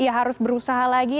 iya harus berusaha lagi